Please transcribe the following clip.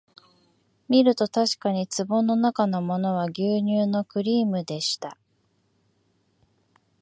みるとたしかに壺のなかのものは牛乳のクリームでした